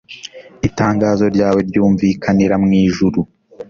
Itangazo ryawe ryumvikanira mu ijuru